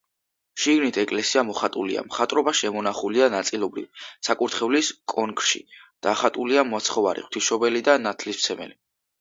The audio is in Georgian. შიგნით ეკლესია მოხატულია, მხატვრობა შემონახულია ნაწილობრივ, საკურთხევლის კონქში დახატულია მაცხოვარი, ღვთისმშობელი და ნათლისმცემელი.